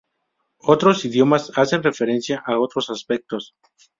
Otros idiomas hacen referencia a otros aspectos.